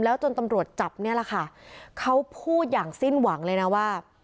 จนตำรวจจับเนี่ยแหละค่ะเขาพูดอย่างสิ้นหวังเลยนะว่า